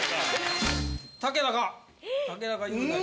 竹中。